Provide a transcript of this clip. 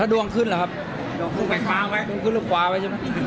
ดวงกล่องไปขวาไว้